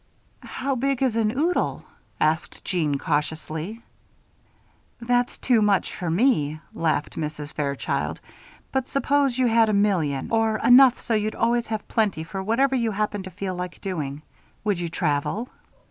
"How big is an oodle?" asked Jeanne, cautiously. "That's too much for me," laughed Mrs. Fairchild. "But suppose you had a million or enough so you'd always have plenty for whatever you happened to feel like doing. Would you travel?"